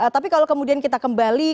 tapi kalau kemudian kita kembali